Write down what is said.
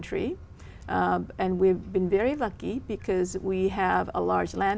trong tháng tháng tháng